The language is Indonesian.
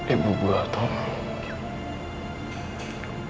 ibu buat pak